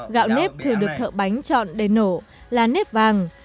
gạo nếp thường được thợ bánh chọn để nổ là nếp vàng